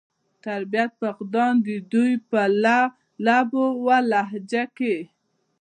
د تربيت فقدان د دوي پۀ لب و لهجه کښې